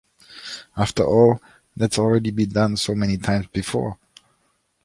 After all, that's already been done so many times before.